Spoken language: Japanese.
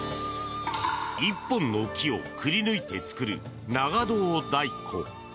１本の木をくり抜いて作る長胴太鼓。